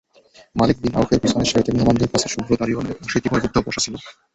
মালিক bin আওফের পিছনের সারিতে মেহমানদের মাঝে শুভ্র দাড়িওয়ালা এক অশীতিপর বৃদ্ধ বসা ছিল।